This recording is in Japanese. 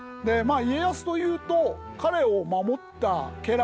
家康というと彼を守った家来。